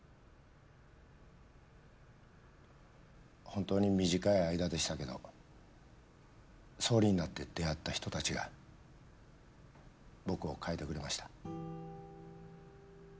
本当に短い間でしたけど総理になって出会った人たちが僕を変えてくれました。